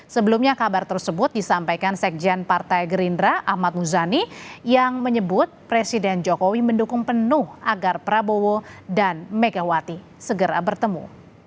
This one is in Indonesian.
sebelumnya kabar tersebut disampaikan sekjen partai gerindra ahmad muzani yang menyebut presiden jokowi mendukung penuh agar prabowo dan megawati segera bertemu